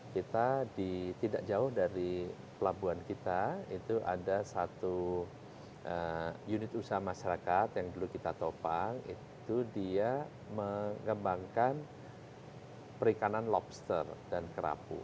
kita tidak jauh dari pelabuhan kita itu ada satu unit usaha masyarakat yang dulu kita topang itu dia mengembangkan perikanan lobster dan kerapu